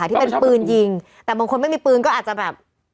ที่เป็นปืนยิงแต่บางคนไม่มีปืนก็อาจจะแบบ